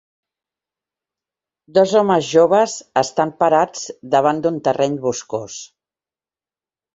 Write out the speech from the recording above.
Dos homes joves estan parats davant d'un terreny boscós.